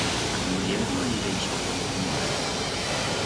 A muller no li deixó continuar.